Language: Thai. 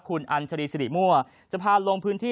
คุณอัญชรีสิริมั่วจะพาลงพื้นที่